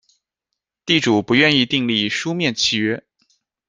地主不愿意订立书面契约